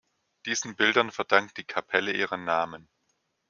Diesen Bildern verdankt die Kapelle ihren Namen.